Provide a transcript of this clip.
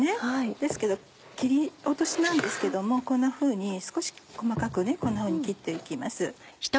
ですけど切り落としなんですけどこんなふうに少し細かくこんなふうに切って行きます。